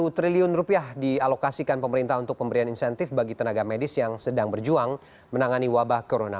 satu triliun rupiah dialokasikan pemerintah untuk pemberian insentif bagi tenaga medis yang sedang berjuang menangani wabah corona